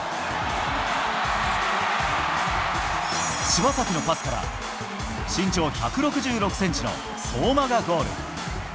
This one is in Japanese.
柴崎のパスから身長１６６センチの相馬がゴール。